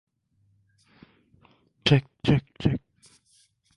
As with all Chinese launch facilities it is remote and generally closed to foreigners.